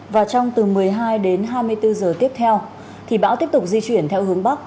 và trong từ một mươi hai đến hai mươi bốn giờ tiếp theo thì bão tiếp tục di chuyển theo hướng bắc